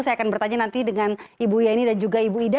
saya akan bertanya nanti dengan ibu yeni dan juga ibu ida